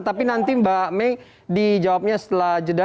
tapi nanti mbak mei dijawabnya setelah jeda